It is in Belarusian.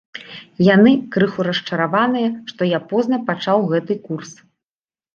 Яны крыху расчараваныя, што я позна пачаў гэты курс.